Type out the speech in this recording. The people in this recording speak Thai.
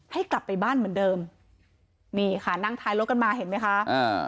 ให้กลับไปบ้านเหมือนเดิมนี่ค่ะนั่งท้ายรถกันมาเห็นไหมคะอ่า